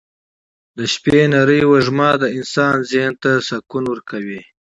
د شپې نرۍ وږمه د انسان ذهن ته سکون ورکوي.